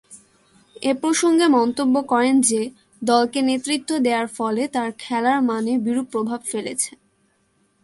এ প্রসঙ্গে মন্তব্য করেন যে, দলকে নেতৃত্ব দেয়ার ফলে তার খেলার মানে বিরূপ প্রভাব ফেলেছে।